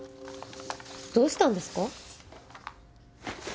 どうしたんですか？